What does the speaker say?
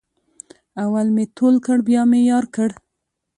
اول مې تول کړ بیا مې یار کړ.